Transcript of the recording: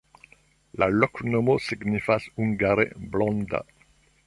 La loknomo signifas hungare: blonda.